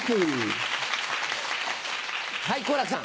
はい好楽さん。